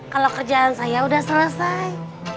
kalau kerjaan saya sudah selesai